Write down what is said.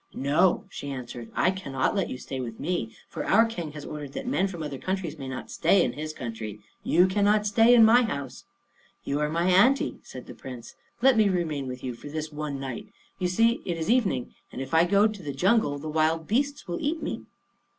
"No," she answered, "I cannot let you stay with me; for our King has ordered that men from other countries may not stay in his country. You cannot stay in my house." "You are my aunty," said the Prince; "let me remain with you for this one night. You see it is evening, and if I go into the jungle, then the wild beasts will eat me."